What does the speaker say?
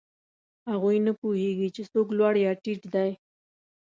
هغوی نه پوهېږي، چې څوک لوړ یا ټیټ دی.